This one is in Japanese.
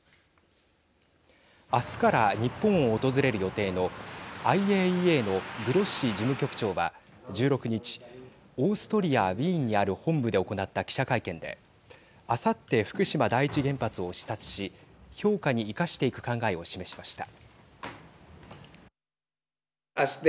あすから日本を訪れる予定のＩＡＥＡのグロッシ事務局長は１６日オーストリア、ウィーンにある本部で行った記者会見であさって、福島第一原発を視察し評価に生かしていく考えを示しました。